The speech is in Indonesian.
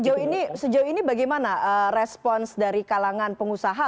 oke sejauh ini bagaimana respons dari kalangan pengusaha